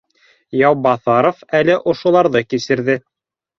Яубаҫаров әле ошоларҙы кисерҙе